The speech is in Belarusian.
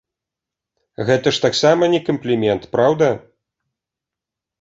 Гэта ж таксама не камплімент, праўда?